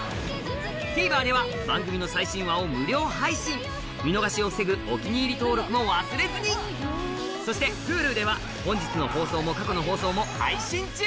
ＴＶｅｒでは番組の最新話を無料配信見逃しを防ぐ「お気に入り」登録も忘れずにそしてＨｕｌｕでは本日の放送も過去の放送も配信中！